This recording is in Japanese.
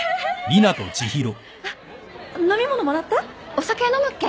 お酒飲むっけ？